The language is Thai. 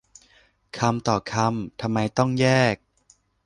คำต่อคำ ทำไมต้องแยก